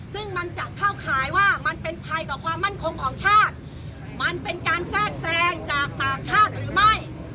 ซึ่งมันจะเข้าข่ายว่ามันเป็นภัยต่อความมั่นคงของชาติมันเป็นการแทรกแทรงจากต่างชาติหรือไม่